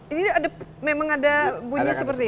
ini ada memang ada bunyi seperti ini